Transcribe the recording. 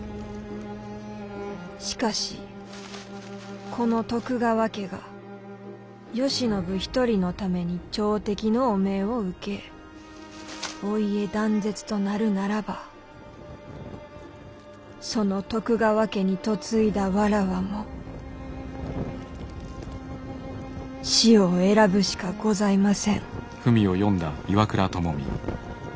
しかしこの徳川家が慶喜一人のために朝敵の汚名を受けお家断絶となるならばその徳川家に嫁いだ妾も死を選ぶしかございません」。